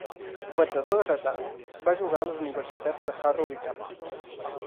Batedor dretà, va jugar a les universitats de Harrow i Cambridge.